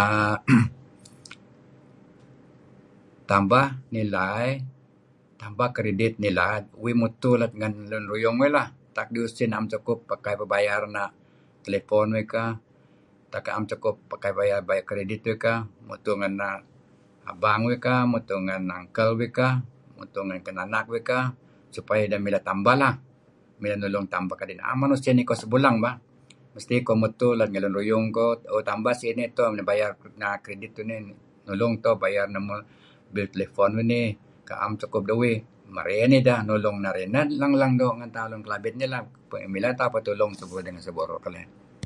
err tambah nilai tambah kredit nilad uih mutuh let ngen lun ruyung uih lah tulu usin uih na'em sukup peh bayar telefon uih kah na'em sukup pakai bayar credit uih kah , mutuh ngen abang uih kah, mutuh ngen uncle uih kah, mutuh ngen kinanak uih kah supaya ideh mileh tambah lah nulung koh tambah kadi' na'em men usin ikoh sebuleng bah, mesti koh mutuh let ngen lun ruyung iko uh tu'en tambah sinih to' bayar credit na' credit kuh nih nulung to' bayar bill telefon uih nih na'em sukup duih merey nideh nulung narih. Neh leng-leng doo' ngen tauh lun Kelabit nih lah mileh tauh petulung dengan seburur ngen seburur keleh.